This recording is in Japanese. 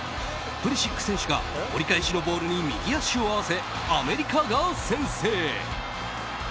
プリシック選手が折り返しのゴールに右足を合わせアメリカが先制。